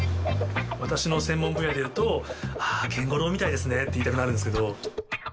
私の専門分野で言うと、ゲンゴロウみたいですねって言いたくなるんですけど。